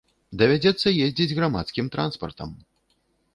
Давядзецца ездзіць грамадскім транспартам.